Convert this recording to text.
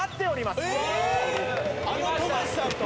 あの富樫さんと！？